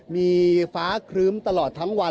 มีฟ้าครึ้มตลอดทั้งวัน